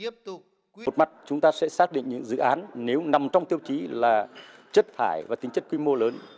một mặt chúng ta sẽ xác định những dự án nếu nằm trong tiêu chí là chất thải và tính chất quy mô lớn